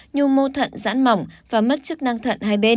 nhu mô thận giãn mỏng và mất chức năng thận hai bên